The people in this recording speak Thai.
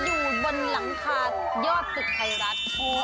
อยู่บนหลังคายอดตึกไทยรัฐ